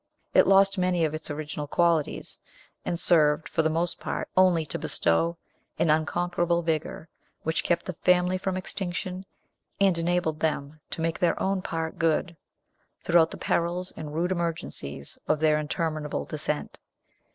It lost many of its original qualities, and served for the most part only to bestow an unconquerable vigor, which kept the family from extinction, and enabled them to make their own part good throughout the perils and rude emergencies of their interminable descent.